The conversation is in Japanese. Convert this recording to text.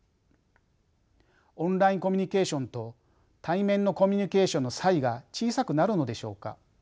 オンラインコミュニケーションと対面のコミュニケーションの差異が小さくなるのでしょうか？